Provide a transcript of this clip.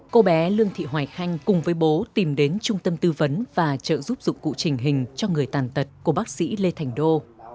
cô bé lương thị hoài khanh cùng với bố tìm đến trung tâm tư vấn và trợ giúp dụng cụ trình hình cho người tàn tật của bác sĩ lê thành đô